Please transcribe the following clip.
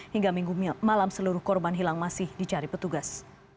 hingga minggu malam seluruh korban hilang masih dicari petugas